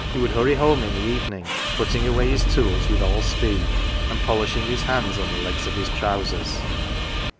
He would hurry home in the evening, putting away his tools with all speed, and polishing his hands on the legs of his trousers.